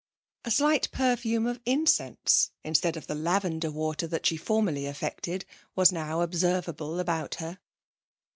A slight perfume of incense, instead of the lavender water that she formerly affected, was now observable about her.